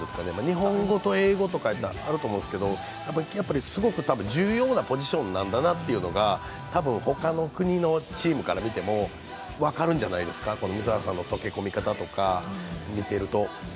日本語と英語とか、あると思うんですけど、やっぱりすごく重要なポジションなんだなというのが、他の国のチームから見ても分かるんじゃないですか、水原さんの溶け込み方とか見てると。